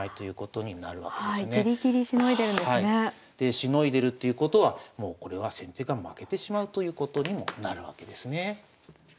しのいでるっていうことはもうこれは先手が負けてしまうということにもなるわけですね。